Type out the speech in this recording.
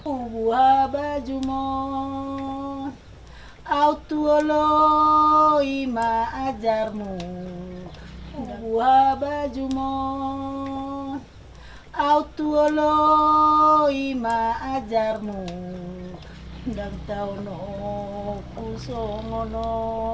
ubu haba jumon autuolo ima ajarmu dan tawu n'okusomu lon